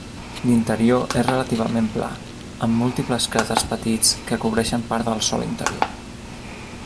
L'interior és relativament pla, amb múltiples cràters petits que cobreixen part del sòl interior.